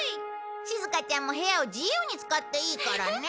しずかちゃんも部屋を自由に使っていいからね。